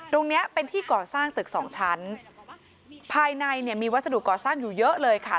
ตรงเนี้ยเป็นที่ก่อสร้างตึกสองชั้นภายในเนี่ยมีวัสดุก่อสร้างอยู่เยอะเลยค่ะ